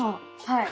はい。